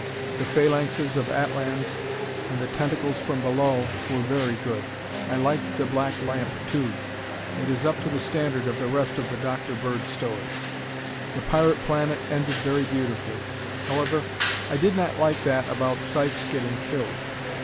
"The Phalanxes of Atlans" and "The Tentacles from Below" were very good. I liked "The Black Lamp," too. It is up to the standard of the rest of the Dr. Bird stories. "The Pirate Planet" ended very beautifully. However, I did not like that about Sykes getting killed.